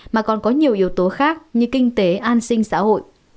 mà còn có nhiều yếu tố khác như kinh tế an sinh xã hội